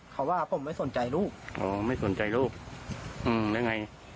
เขาว่าผมไม่สนใจลูกอ๋อไม่สนใจลูกอืมหรือไง